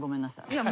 いや。